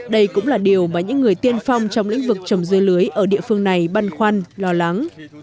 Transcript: đây cũng là điều mà những người tiên phong trong lĩnh vực trồng dưa lưới ở địa phương này băn khoăn lo lắng